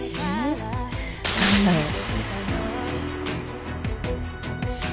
何だろう？